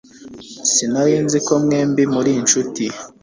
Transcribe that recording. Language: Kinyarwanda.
Sinari nzi ko mwembi muri inshuti